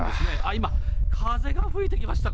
今、風が吹いてきました。